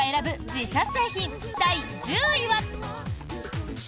自社製品第１０位は。